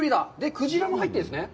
くじらも入ってるんですね。